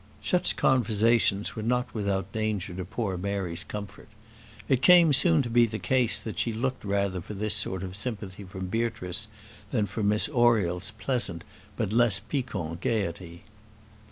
Such conversations were not without danger to poor Mary's comfort. It came soon to be the case that she looked rather for this sort of sympathy from Beatrice, than for Miss Oriel's pleasant but less piquant gaiety.